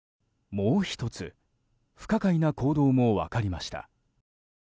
もう１つ不可解な行動も分かりました。